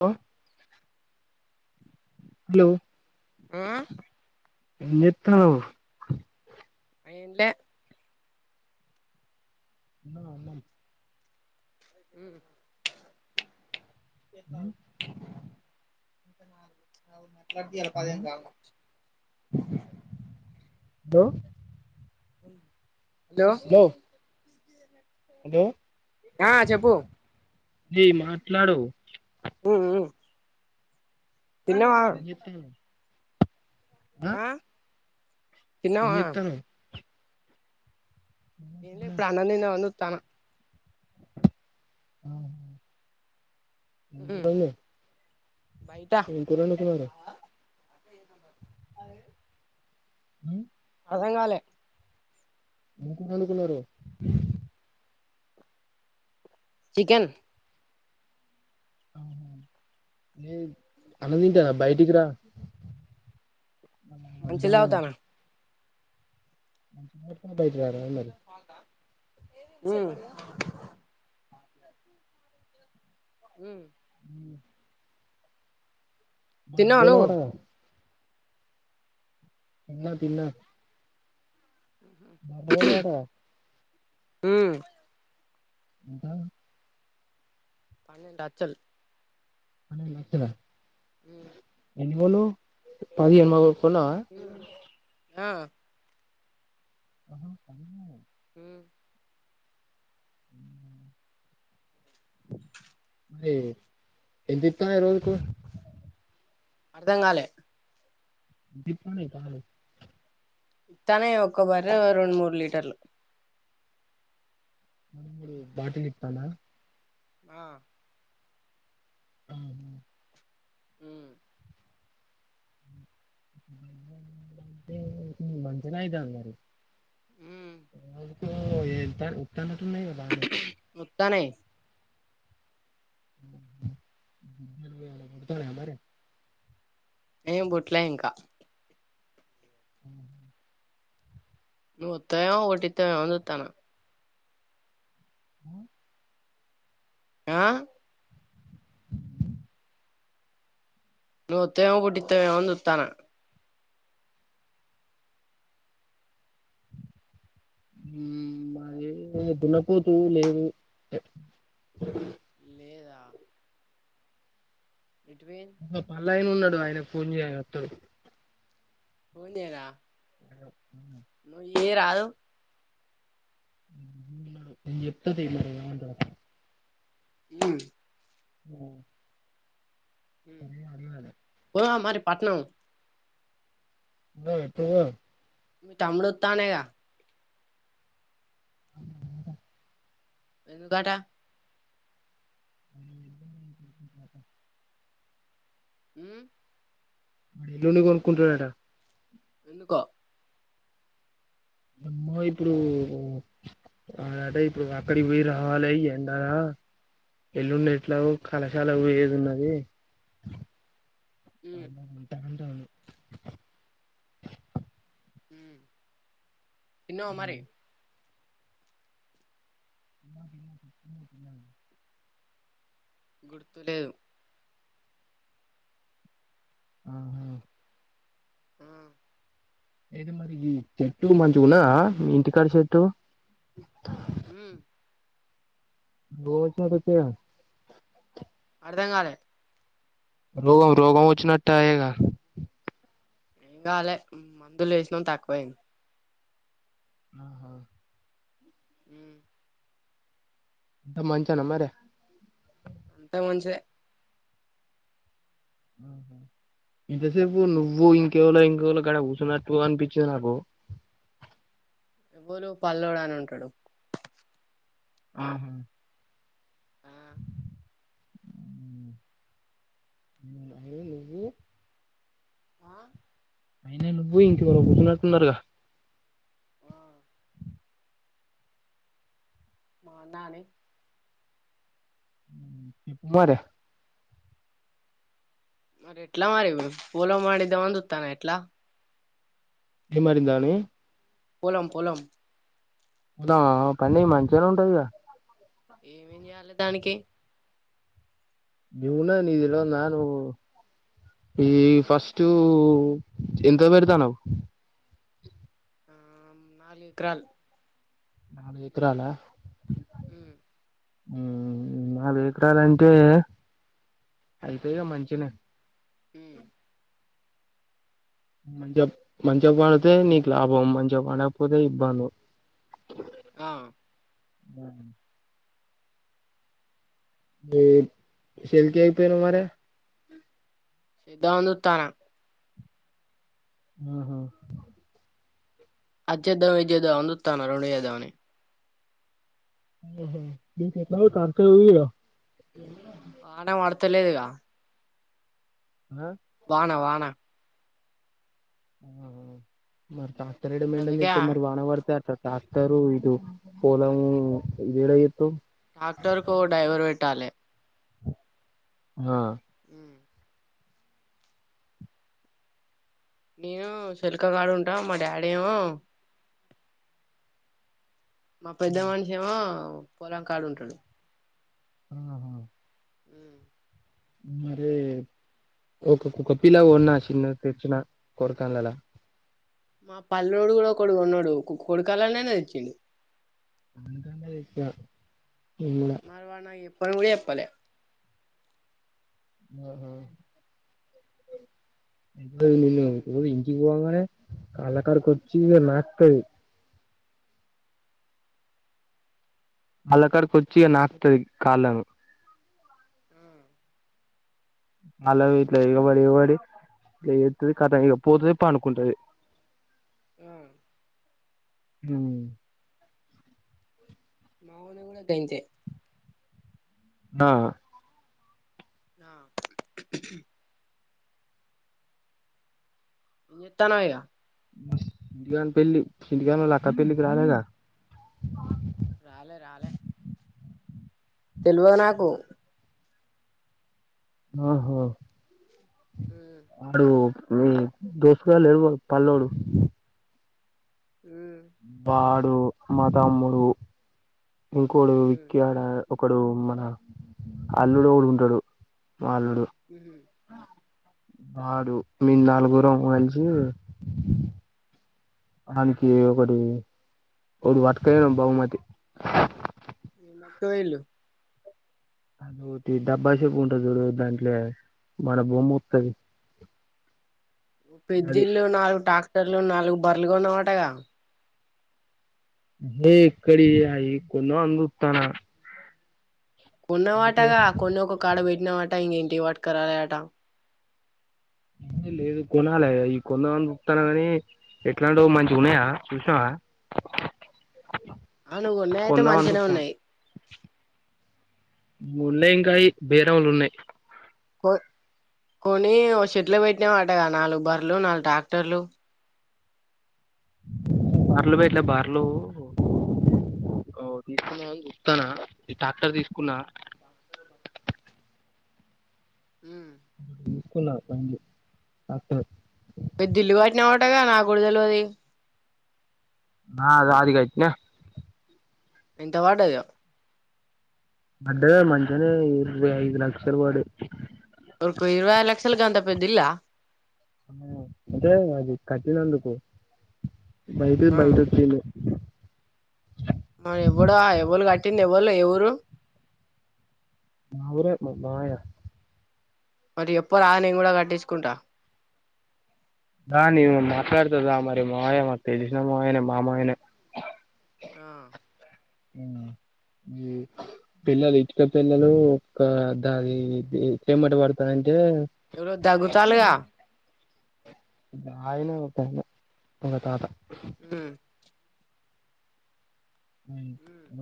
ఆ ఆ ఏం జెత్తనవ్ ఏం లా తిన్నావా అన్నం ఉ [inaudible] అర్థం కాలేదు అట్లాదిలా పది ఇంకా హలో దో దో హలో ఆ చెప్పు ఏ మాట్లాడు ఉ ఉ ఏం చెప్పావ్ ఆ ఏం తిన్నవా చెత్తనవ్ ఏం లె ఇప్పుడు అన్నం తిందామని జుతన్న ఆ ఉమ్ ఉండాలే ఏం కూర వండుతున్నారు [inaudible] అది ఉ అర్ధం కాలే ఏం కూర వండుకున్నారు చికెన్ ఆ ఏ అన్నం తింటన్న బయటికి రా మంచిలా తాగుతున్న [unintelligible] బయటికి రార అన్నాడు ఉ ఉం తిన్నవా నువ్వు పోయినవటగా [unintelligible] తిన్న బన్ వాట [unintelligible] ఉం ఎకా [unintelligible] పన్నెండు లచ్చల్ ఉమ్ ఎని పది మా [unintelligible] కొన్నవా ఉమ్ ఆ అహ స [unintelligible] ఉం ఎంత ఇత్తన్నయ్ రోజుకు అర్ధం కాలే దీపని కాను [unintelligible] ఇత్తాన్నయి ఒక్క బర్రె రెండు మూడు లీటర్లు మన మూడు బాటి నిప్తానా [unintelligible] ఆ ఆ ఉం మంచిగనే అయితాంది మరి ఉమ్ ఆ ఎ న బా అనే [unintelligible] తనయి వ త బార [inaudible] ఏమ్ పుట్లే ఇంకా అ నువ్వు వత్తవేం ఒకటి ఇత్తవెమ్ అని చుతన్నా హ [inaudible] ఆ నువ్వు వత్తవెమ్ ఒకటి ఇత్తవెమ్ అని చుత్త న్న ఉం మాది దున్నపోతు లేదు లేదా ఎటుపోయింది ఆ పళ్ళ ఆయిన ఉన్నాడు ఆయనకు ఫోన్ చెయ్ ఆయన వత్తాడు ఫోన్ చేయార నువ్వు చేయ రాదు ఎప్పు తెల ఎమంటడ [unintelligible] ఉం ఆ పోదాం మరి పట్నం ఆ ఎప్పుడు పోదాం మీ తమ్ముడు వత్తండు గా అ ఎందుకట అ ఎ మ్మ్ ఎల్లుండి కొనుక్కుంటాడంట ఎందుకొ అమ్మో ఇప్పుడు అంటే ఇప్పుడు అక్కడికి పోయి రావాలి ఎండ నా ఎల్లుండి ఎట్లాగో కళాశాల కు పొయ్యేది ఉన్నాది మా ఉమ్ అన్న వింటాంటడు మ్మ్ తిన్నావా మరి [inaudible] గుర్తులేవు ఆహా ఆ అయితే మరి ఈ చెట్టు మంచిగున్నద మీ ఇంటికాడ చెట్టు మ్మ్ రో [unintelligible] అర్థం కాలే రోగ రోగం ఉంచినట్టయిగా ఏం కాలే మందులు వేసినాం తక్కువయింది ఆహా మ్మ్ అంతా మంచేనా మరి అంత మంచే ఆహ ఇంత సేపు నువ్వు ఇంకేవాళో ఇంకేవాళో కడ కూర్చున్నట్టు అనిపించింది నాకు ఎవళు పల్లెడా అని ఉంటాడు ఆహా ఆ మ్మ్ ఏంది ఇది ఆ అయినా నువ్వే ఇంకెవరో పోతున్నట్టున్నారుగా ఆ మా నానే మ్మ్ చెప్పు మరే మరి ఎట్లా మరి ఇప్పుడు పులాము అడిద్దామని చుత్తన్నా ఎట్లా ఏ [unintelligible] మారిందాను పోలం పోలం ఉనా పంటా మంచిగానే ఉంటాదిగా ఏమేం చేయాలే దానికి దిగిన నీళ్ళలో నానవు ఈ ఫస్ట్ ఎంత పెడతాన్నవు ఆ నాలుగు ఎకరాలు నాలుగు ఏకరాల మ్మ్ మ్మ్ నాలుగు ఏకరాలంటే అయితాయినే మంచినే ఓ అంతే మంచిగా పండితే నీకు లాభం మంచిగా పడకపోతే ఇబ్బందే ఆ ఆ ఏ శకియిపోయిను మర ద్దా నుత ఆహా అత్యద్దవం విద్యద అందుస్తాను రెండు దావని చెలా తస వాన వాడతలేదుగా వానా వానే ఆ మరి కాస్తరేడ మండ అందుకే చెప్ మరి వాన పడితే అ ్రాక్టరు ఇది పోలము ఇదిెళ ఇతు డాక్టర్ కో డ్రైవర్ వెేట్టాలే ఆా ఉ నేను శల్కగాడు ఉంటాం మా డాడీ ఏమో మా పెద్ద మనిషిేమో పొలం కాళ ఉంటాడు ఆ ఉ మరి ఒక పిలా ఉన్నా చిన్న తెచ్చిన కొరకన్లలా మా పల్ోడు కూడా కొడు ఉన్నాడు కొడుకాలనేనే తెచ్చి అ మరవాన ఎప్ప విడి ఎప్పలే ఆ ఎ ని ఇ ఇంగానే కళకార కొచ్చ నాకుత యి అళ్ళక్కడకి వచ్చి నాకుది కాల అ అలా ఇట్ల ఇబడి ఇబడి ఇ ఎతుది కాద ఇక పోతుదేప్ప అనుకుంటది అవు హ మావాని కయితే ఆ ఆ చెతనాగా ఇడిగా పేలి ఇడిగాన ఇలాకా పేలి కాల రాలే రాలే తెలివ నాకు ఆఓహో ఆ దోసుగా లేరు పల్ల్లోడు ప్రపడుమాతమ్ముడు ఇంకోడు విక్క్యాడ ఒకడు మన అల్లుడు ఉంటాడు మా అల్లుడు బాడు మీ నాలుగురు అవ కలిసి ఆనికి ఒకటి ఒకడు వట్కాయబహుమతి తుయిలు అటి డబ్బాసేపు ఉంటుంది చూడు దాంట్లో మన బొమ్మ వత్తది అది పెద్దిళ్ళు నాలుగు ట్రాక్టర్లు నాలుగు బర్రలుగాన్నవు అటగా ఏక్కడి అయి కొందాం అని చుతానా కొన్నవాటగా కొన్ని ఒక కాడ పెట్టినవాట ఇంకా ఇంటికి పట్టాక రాలేద్ అట అ లేదు కొనాలి ఈ కొందమని చప్తాను కాని ఎట్లాంట మంచి ఉన్నాయా చూసినావా ఆ నువ్వు కొన్నాయి అయితే కొందామని మంచిగానే చూత్తన్న ఉన్నాయి ఉన్నాయి ఇంకాయ బేరములు ఉన్నాయి హ కొని ఓ షెట్లో పెట్టినా వాటగా నాలుగు బర్లు నాలుగు ట్రాక్టర్లు బార్లు పేట్లే బార్లు ఓ తీసుకున్నావానీ చప్తానా ఈ ట్రాక్టర్ తీసుకున్నా ఉమ్. తీసుకున్న బండ్లు ట్రాక్టర్ మీరు ఢిల్లీ వాటిని అవటగా నా కూడా తెలవది నా అది అదిగాయితనా ఎంత పడ్డది అడ్డగా మంచిగానే ఇరవై ఐదు లక్షలు పడి లక్షలగంథ పెద్దా ఇల్లా అంటే అది కఠినందుకు బయటివి ఆ బయట వచ్చినే మ ఎప్పుడు ఎవళ కట్టింది ఎవోళ ఎవురు మా ఊరే మామయ్య మరి చెప్పారా నేను కూడా కట్టించుకుంటా ఆ నివ మాట్లాడుతాదా మరి మామయ్య మాక్ తెల్సినా మామయ్యనే మా మామయ్యనే ఆ మ్మ్ పిల్లలు ఇటుక పిల్లలు ఒక దాది చెమట పడతార అంటే ఎవరో దగ్గుతాలుగా ఆయనే ఒక ఒక తాత హ్మ్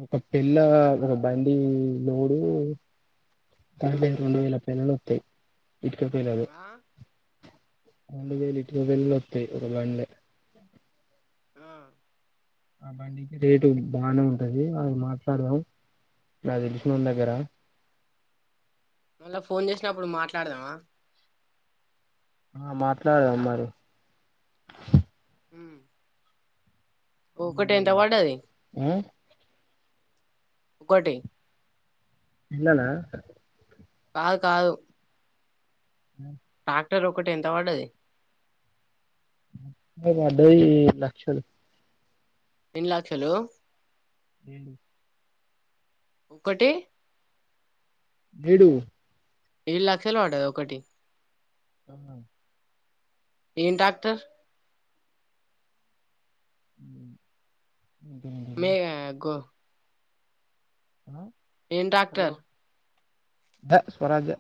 ఒక పిల్ల ఒక బండి లోడు తా ఆ పే రెండు వేల పేలాలు వస్తాయి ఇటుక పేలలు ఆ రొండూ వేల ఇటుక పేలలు వాతాయి ఒకే బాండ్యా ఆ ఆ బండికి రేటు బానే ఉంటది అది మాట్లాడదాం నా తెలిషినోలా దగ్గరా మళ్ళా ఫోన్ చేసినప్పుడు మాట్లాడదామా ఆ మాట్లాడమ్ మరి హ్మ్ ఒకటీ ఎంత మరి పడది ఆ ఒకటి ఇల్నానా కాదు కాదు డాక్టర్ ఒకటి ఎంత పడది మీకు వడ్డాయి లక్షలు ఎన్నీ లక్షలు ఏంటిది ఒకటి బ్లెడు ఏడు లక్షలు వడ్డద ఒకటి అవును ఏం ట్రాక్టర్ [inaudible] మే గో ఆ ఏం ట్రాక్టర్ ద స్వరాజే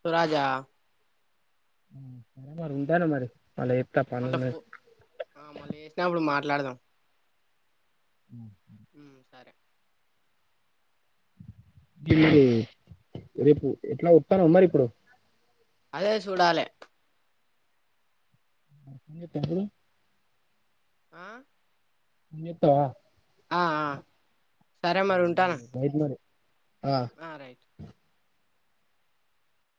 స్వరాజా సరే మరి ఉంటానా మరి మళ్ళా చెప్తా పని మళ్ళా ఫో ఆ మళ్ళీ చేసినప్పుడు మాట్లాడదాం ఉ ఉ సరే గివిదే రేపు ఎట్లా వత్తనవా మరి ఇప్పుడు అదే చూడాలే ఫోన్ చేత్తవా ఇప్పుడు ఆ ఫోన్ చెత్తవా ఆ సరే మరి ఉంటానా బయట మరి ఆ